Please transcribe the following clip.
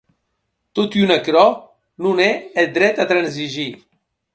Totun aquerò, non è eth dret a transigir.